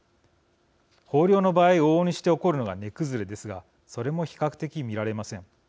豊漁の場合往々にして起こるのが値崩れですがそれも比較的、見られません。